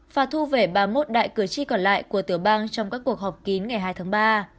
và thu về ba mươi một đại cử tri còn lại của tiểu bang trong các cuộc họp kín ngày hai tháng ba